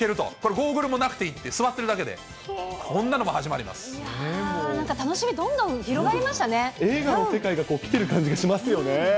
ゴーグルもなくていいって、座ってるだけで、こんなのも始まなんか楽しみ、どんどん広が映画の世界がきてる感じがしますよね。